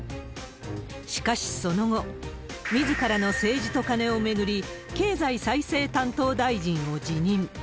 しかしその後、みずからの政治とカネを巡り、経済再生担当大臣を辞任。